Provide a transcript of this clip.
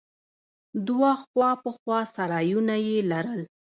دوه خوا په خوا سرايونه يې لرل.